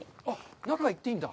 中へ行っていいんだ。